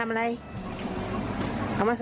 ไฟรัสช่วยด้วย